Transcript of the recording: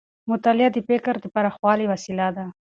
مطالعه د فکر د پراخوالي وسیله ده.